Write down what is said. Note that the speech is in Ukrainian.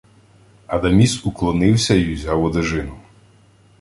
Адаміс уклонився й узяв одежину.